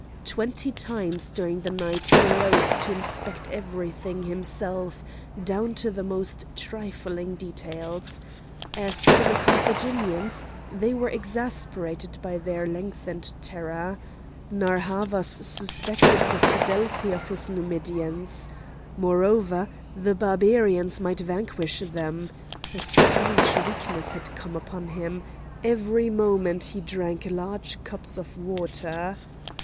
Twenty times during the night he rose to inspect everything himself, down to the most trifling details. As to the Carthaginians, they were exasperated by their lengthened terror. Narr' Havas suspected the fidelity of his Numidians. Moreover, the Barbarians might vanquish them. A strange weakness had come upon him; every moment he drank large cups of water.